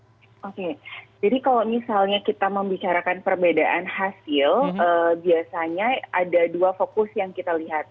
oke jadi kalau misalnya kita membicarakan perbedaan hasil biasanya ada dua fokus yang kita lihat